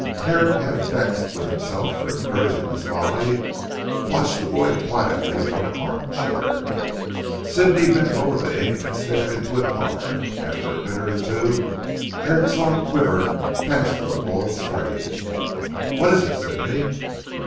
Herrick half vexed with himself for encouraging this folly, watched the boy quietly from an arm chair. Sidney bent over the ink and stared into it hard. After a minute or two Herrick saw a quiver pass through the boy's frame. "What is it Sidney?"